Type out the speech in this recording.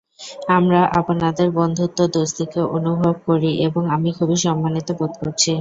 আমরা আপনাদের বন্ধুত্ব, দোস্তিকে অনুভব করি এবং আমি খুবই সম্মানিত বোধ করছি।